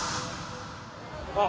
あっ！